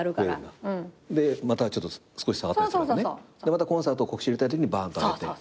またコンサートの告知入れたいときにばんと上げて。